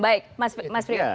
baik mas pri